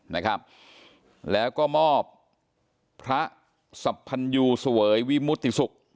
นะครับแล้วก็มอบพระสัมพันยูเสวยวิมุติศุกร์